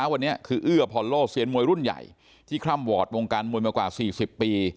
วันนี้คือเอื้อพรโลเซียนมวยรุ่นใหญ่ที่คล่ำวอร์ดวงการมวยมากว่า๔๐ปี